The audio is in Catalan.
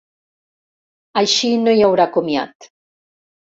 Així no hi haurà comiat.